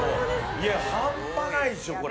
いや、半端ないでしょ、これ。